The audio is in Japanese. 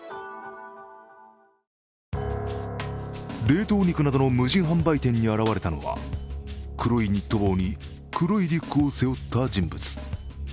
冷凍肉などの無人販売店に現れたのは黒いニット帽に黒いリュックを背負った人物。